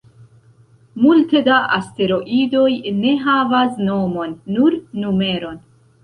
Multe da asteroidoj ne havas nomon, nur numeron.